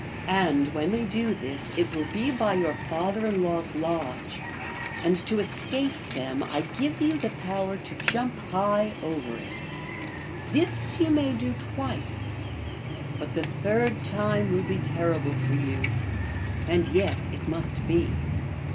And when they do this it will be by your father in law s lodge, and to escape them I give you, the power to jump high over it. This you may da twice, but the third time will be terrible for you, and yet it must be."